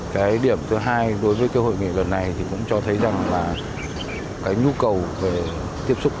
cái điểm thứ hai đối với cái hội nghị lần này thì cũng cho thấy rằng là cái nhu cầu về tiếp xúc